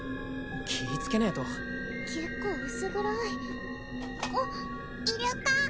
気いつけねえと結構薄暗いあっいるか？